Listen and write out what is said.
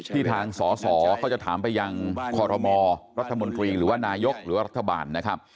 ที่ทางสอสอเขาจะถามไปยังคอรมอรัฐมนตรีหรือว่านายกหรือว่ารัฐบาลนะครับ